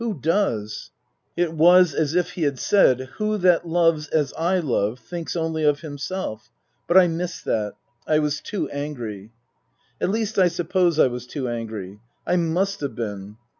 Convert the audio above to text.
Who does ?" It was as if he had said :" Who that loves as I love thinks only of himself ?" But I missed that. I was too angry. At least I suppose I was too angry. I must have been.